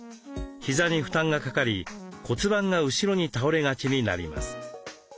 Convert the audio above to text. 膝に負担がかかり骨盤が後ろに倒れがちになります。